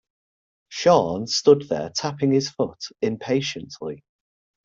Sean stood there tapping his foot impatiently.